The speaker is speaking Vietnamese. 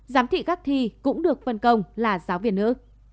giám thị các thi cũng được phân công là giáo viên nữ